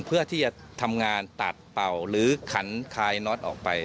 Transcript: เพื่อที่จะทำงานตัดเป่าหรือขันคายน็อตออกไป